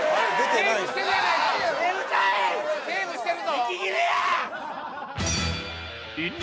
セーブしてるぞ因縁！